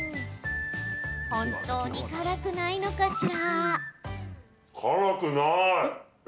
本当に辛くないのかしら？